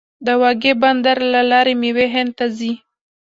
د واګې بندر له لارې میوې هند ته ځي.